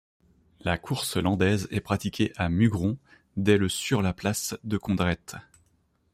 La course landaise est pratiquée à Mugron dès le sur la place de Condrette.